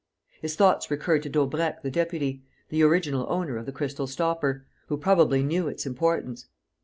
His thoughts recurred to Daubrecq the deputy, the original owner of the crystal stopper, who probably knew its importance.